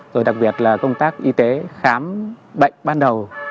rồi đặc biệt là công tác y tế khám bệnh ban đầu